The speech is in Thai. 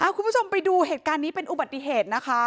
คุณผู้ชมไปดูเหตุการณ์นี้เป็นอุบัติเหตุนะคะ